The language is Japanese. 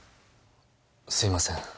すいません。